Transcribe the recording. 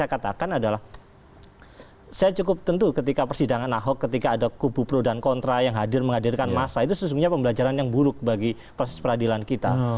saya katakan adalah saya cukup tentu ketika persidangan ahok ketika ada kubu pro dan kontra yang hadir menghadirkan massa itu sesungguhnya pembelajaran yang buruk bagi proses peradilan kita